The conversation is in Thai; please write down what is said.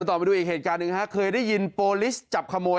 ต่อไปดูอีกเหตุการณ์หนึ่งฮะเคยได้ยินโปรลิสจับขโมย